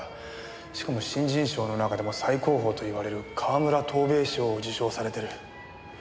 しかも新人賞の中でも最高峰といわれる川村藤兵衛賞を受賞されてる。